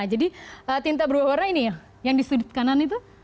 jadi tinta berubah warna ini ya yang di sudut kanan itu